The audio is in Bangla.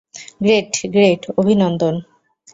গ্রেট, গ্রেট, অভিনন্দন।